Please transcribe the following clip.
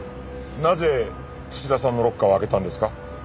なぜ土田さんのロッカーを開けたんですか？